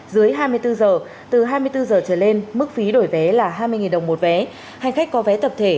dưới hai mươi bốn giờ từ hai mươi bốn giờ trở lên mức phí đổi vé là hai mươi đồng một vé hành khách có vé tập thể